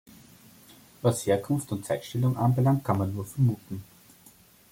Was Herkunft und Zeitstellung anbelangt, kann man nur vermuten.